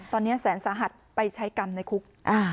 ตอนนี้แสนสาหัสไปใช้กรรมในคุก